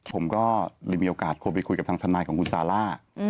ผมก็เลยมีโอกาสโทรไปคุยกับทางทนายของคุณซาร่า